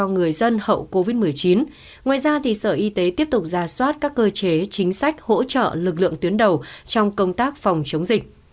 ngoài ra sở y tế tiếp tục ra soát các cơ chế chính sách hỗ trợ lực lượng tuyến đầu trong công tác phòng chống dịch